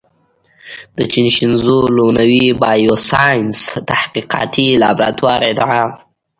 د چین شینزو لونوي بایوساینس تحقیقاتي لابراتوار ادعا